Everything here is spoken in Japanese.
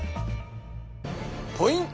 ポイント